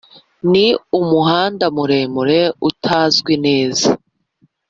ni umuhanda muremure utazwi neza.